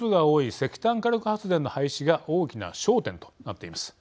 石炭火力発電の廃止が大きな焦点となっています。